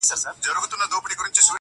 ورته ژاړه چي له حاله دي خبر سي!!